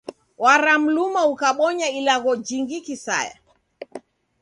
Waramluma ukabonya ilagho jingi kisaya.